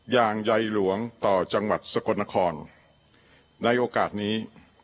อย่างใยหลวงต่อจังหวัดสกลนครในโอกาสนี้